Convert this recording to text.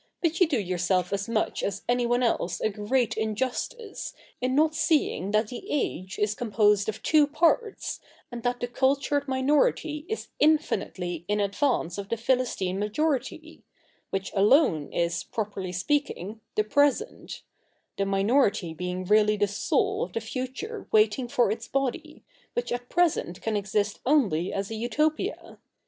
But you do yourself as much as anyone else a great injustice, in not seeing that the age is composed of two parts, and that the cultured minority is infinitely in advance of the Philistine majority— which alone is, properly speaking, the present ; the minority being really the soul of the future waiting for its body, which at present can exist only as a Utopia.